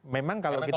memang kalau kita